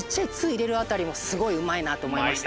いれるあたりもすごいうまいなとおもいました。